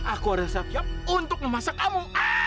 aku harus siap siap untuk memasak kamu